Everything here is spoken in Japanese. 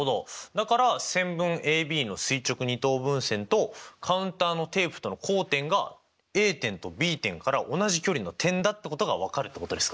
だから線分ＡＢの垂直二等分線とカウンターのテープとの交点がＡ点とＢ点から同じ距離の点だってことが分かるってことですか。